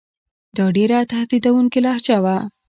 دا ډېره تهدیدوونکې لهجه وه.